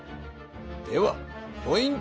ではポイント